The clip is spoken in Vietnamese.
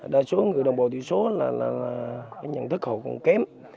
đa số người đồng bộ tự tử là nhận thức họ còn kém